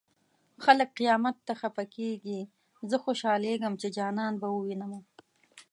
خلک قيامت ته خفه کيږي زه خوشالېږم چې جانان به ووينمه